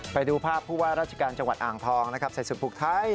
ไปดูภาพผู้ว่าราชการจังหวัดอ่างทองนะครับใส่สุดผูกไทย